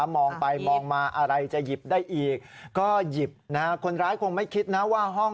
มองไปมองมาอะไรจะหยิบได้อีกก็หยิบนะฮะคนร้ายคงไม่คิดนะว่าห้อง